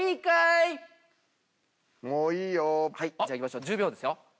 はいじゃあいきましょう１０秒ですよ。